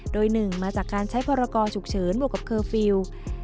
โดย๑มาจากการใช้พรกรฉุกเฉินบวกกับเคอร์ฟิลล์